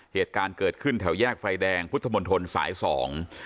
เหตุการณ์เกิดขึ้นแถวแยกไฟแดงพุทธมนตรสายสอง